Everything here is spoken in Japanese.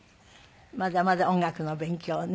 まだまだ音楽の勉強をね。